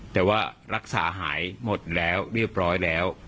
แต่ว่ารักษาหายหมดแล้วเรียบร้อยแล้ว